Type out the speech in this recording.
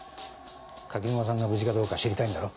垣沼さんが無事かどうか知りたいんだろ。